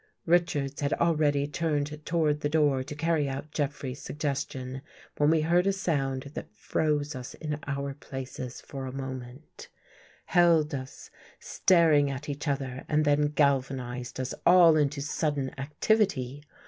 Richards had already turned toward the door to carry out Jeffrey's suggestion, when we heard a sound that froze us in our places for a moment — 125 THE GHOST GIRL held us staring at each other and then galvanized us all into sudden activity.